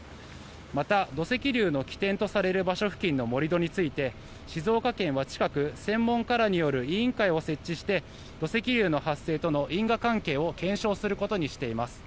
また、土石流の起点とされる場所付近の盛り土について静岡県は近く専門家らによる委員会を設置して土石流の発生との因果関係を検証することにしています。